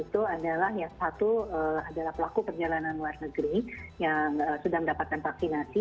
itu adalah yang satu adalah pelaku perjalanan luar negeri yang sudah mendapatkan vaksinasi